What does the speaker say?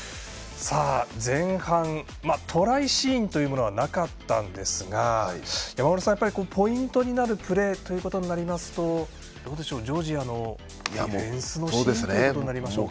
前半、トライシーンというものはなかったんですがやっぱりポイントになるプレーということになりますとジョージアのディフェンスのシーンということになるでしょうか。